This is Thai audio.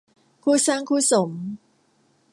คู่สร้างคู่สม